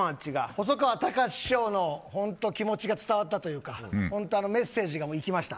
細川たかし師匠の気持ちが本当に伝わったというかメッセージがいきました。